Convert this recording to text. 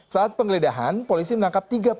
saat penggeledahan polisi menangkap